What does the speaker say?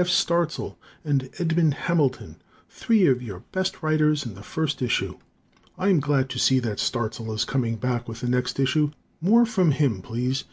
F. Starzl and Edmond Hamilton, three of your best writers, in the first issue. I'm glad to see that Starzl is coming back with the next issue. More from him, please.